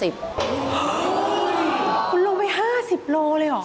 คุณลงไป๕๐โลเลยเหรอ